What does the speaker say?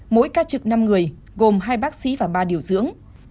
mỗi ca trực năm người gồm hai bác sĩ và ba điều dưỡng